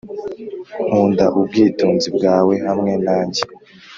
nkunda ubwitonzi bwawe hamwe nanjye